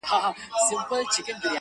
o لوى مي کې، لويي مه راکوې.